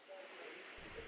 dengan rumah sakit